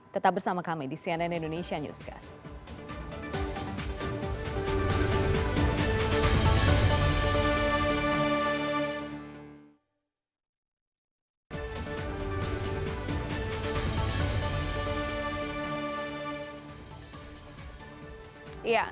tetap bersama kami di cnn indonesia newscast